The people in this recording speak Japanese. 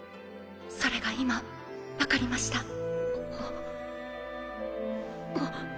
それが今わかりました。